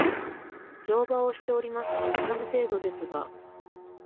乗馬をしております。たしなむ程度ですが